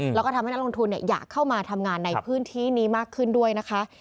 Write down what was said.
แล้วก็ทำให้นักลงทุนอยากเข้ามาทำงานในพื้นที่นี้มากขึ้นด้วยนะคะ